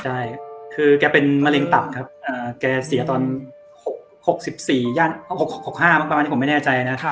ใช่คือแกเป็นมะเร็งตับครับแกเสียตอน๖๔ย่าน๖๕บ้างตอนนี้ผมไม่แน่ใจนะ